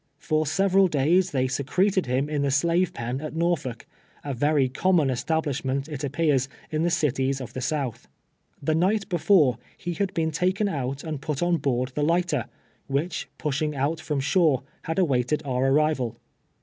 For several days they secreted him in the slave pen at Xorfolk — a very common establishment, it appears, in the cities of tho South. The night before, he had been taken out and put on board the lighter, which, pushing out from shore, had awaited our arrival.